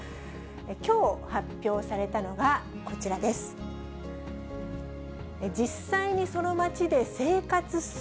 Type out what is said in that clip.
きょう、発表されたのがこちらです。